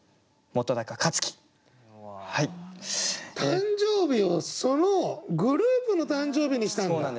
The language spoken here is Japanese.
誕生日をグループの誕生日にしたんだ。